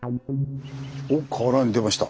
おっ河原に出ました。